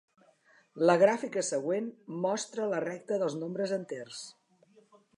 La gràfica següent mostra la recta dels nombres enters.